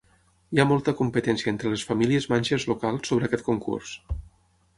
Hi ha molta competència entre les famílies manxes locals sobre aquest concurs.